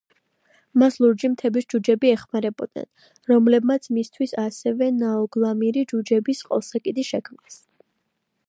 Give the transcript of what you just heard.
მას ლურჯი მთების ჯუჯები ეხმარებოდნენ, რომლებმაც მისთვის ასევე ნაუგლამირი, ჯუჯების ყელსაკიდი შექმნეს.